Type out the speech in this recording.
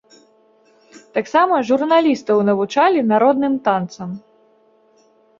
Таксама журналістаў навучалі народным танцам.